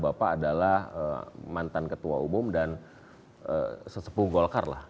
bapak adalah mantan ketua umum dan sesepuh golkar lah